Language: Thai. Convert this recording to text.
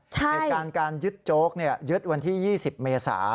ในการยึดโจ๊กยึดวันที่๒๐เมษา